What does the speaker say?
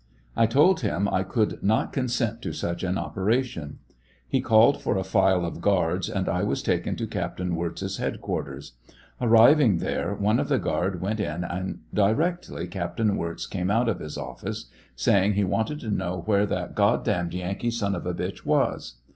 I told him I could not consent to such an operation. He called for a file of guards and I was taken to Captain Wirz's headquarters. Arriving there one of the guard went in and directly Captain Wirz came out of his office saying he wanted to know where that God damned Yankee son of a bitch was.